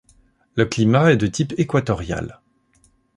Le climat est de type équatorial.